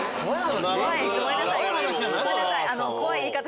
ごめんなさい。